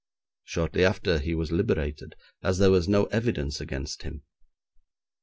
Shortly after he was liberated, as there was no evidence against him.